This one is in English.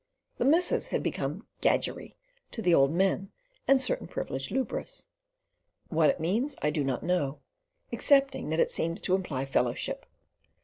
The missus had become "Gadgerrie" to the old men and certain privileged lubras. What it means I do not know, excepting that it seemed to imply fellowship.